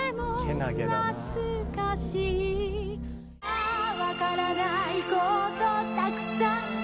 「あぁわからないことたくさん」